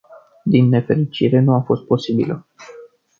Din nefericire, nu a fost posibilă.